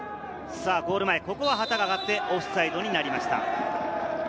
ゴール前、旗が上がってオフサイドになりました。